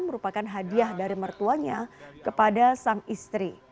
merupakan hadiah dari mertuanya kepada sang istri